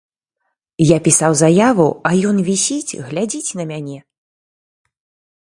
Я пісаў заяву, а ён вісіць, глядзіць на мяне.